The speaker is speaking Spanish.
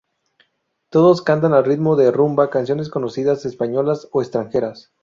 Todos cantan a ritmo de rumba canciones conocidas españolas o extranjeras.